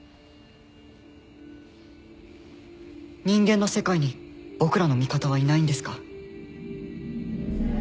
人間の世界に僕らの味方はいないんですか？